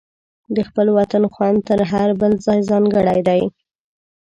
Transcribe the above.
د خپل وطن خوند تر هر بل ځای ځانګړی دی.